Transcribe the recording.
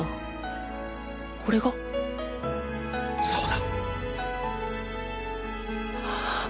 そうだ！